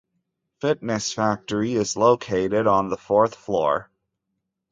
Fitness Factory is located on the fourth floor.